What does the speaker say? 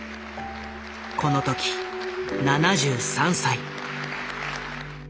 この時７３歳。